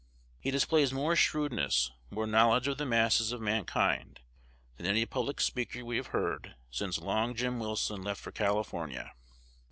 He displays more shrewdness, more knowledge of the masses of mankind, than any public speaker we have heard since Long Jim Wilson left for California."